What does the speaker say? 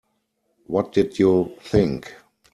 What did you think?